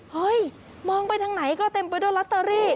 เฮ้ยมองไปทางไหนก็เต็มไปด้วยลอตเตอรี่